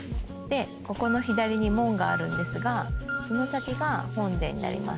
ここの左に門があるんですがその先が本殿になります。